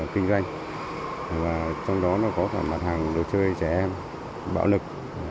kinh doanh trong đó có mặt hàng đồ chơi trẻ em bạo lực